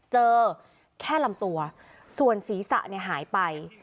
เจอแค่ลำตัวส่วนศีรษะหายไป